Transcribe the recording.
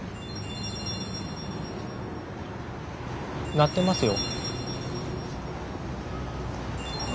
鳴ってますよ？